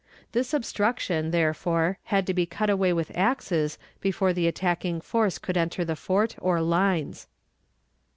This obstruction, therefore, had to be cut away with axes before the attacking force could enter the fort or lines.